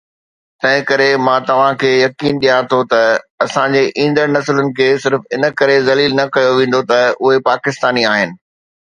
تنهن ڪري مان توهان کي يقين ڏيان ٿو ته اسان جي ايندڙ نسلن کي صرف ان ڪري ذليل نه ڪيو ويندو ته اهي پاڪستاني آهن